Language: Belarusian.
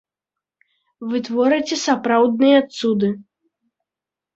Вы творыце сапраўдныя цуды.